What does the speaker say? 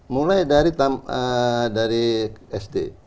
mulai dari sd